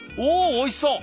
おいしそう。